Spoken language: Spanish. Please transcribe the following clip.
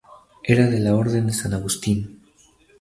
Era de la Orden de San Agustín.